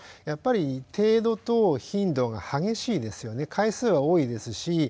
やっぱり程度と頻度が激しいですよね回数は多いですし。